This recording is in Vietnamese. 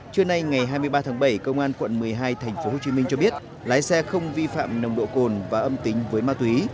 trưa nay ngày hai mươi ba tháng bảy công an quận một mươi hai tp hcm cho biết lái xe không vi phạm nồng độ cồn và âm tính với ma túy